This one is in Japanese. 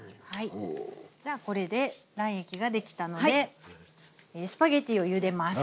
じゃあこれで卵液ができたのでスパゲッティをゆでます。